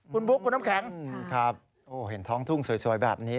คุณบุ๊คคุณน้ำแข็งครับโอ้เห็นท้องทุ่งสวยแบบนี้